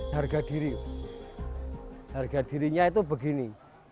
harga diri harga dirinya itu begini